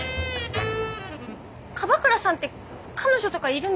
樺倉さんって彼女とかいるんですか？